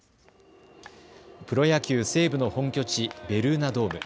プロ野球西武の本拠地、ベルーナドーム。